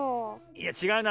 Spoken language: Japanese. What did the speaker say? いやちがうな。